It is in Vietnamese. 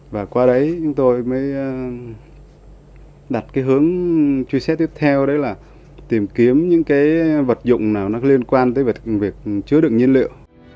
và qua đấy chúng tôi mới đặt hướng truy xét tiếp theo đó là tìm kiếm những vật dụng nào liên quan tới việc chứa được nhiên liệu